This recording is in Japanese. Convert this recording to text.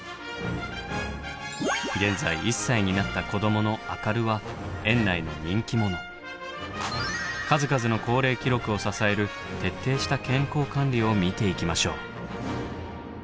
現在１歳になった子どものアカルは数々の高齢記録を支える徹底した健康管理を見ていきましょう。